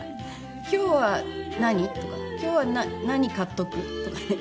「今日は何？」とか「今日は何買っとく？」とかね